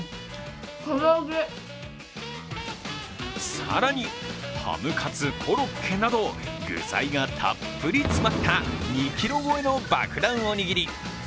更に、ハムカツ、コロッケなど具材がたっぷり詰まった２ｋｇ超えの爆弾おにぎり。